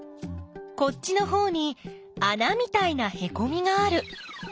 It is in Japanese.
こっちのほうにあなみたいなへこみがある。